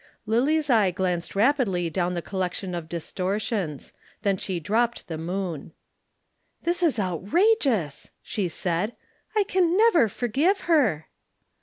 Lillie's eye glanced rapidly down the collection of distortions. Then she dropped the Moon. "This is outrageous," she said. "I can never forgive her."